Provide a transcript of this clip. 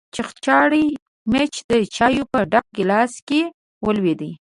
چختاړي مچ د چايو په ډک ګيلاس کې ولوېد.